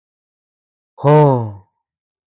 Joo.